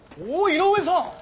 井上さん！